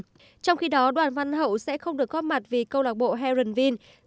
trong khi đó đoàn văn hậu sẽ không được góp mặt vì câu lạc bộ heronville